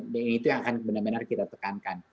dan itu yang akan benar benar kita tekankan